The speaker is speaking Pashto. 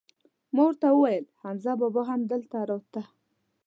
ما ور ته وویل: حمزه بابا هم دلته راته؟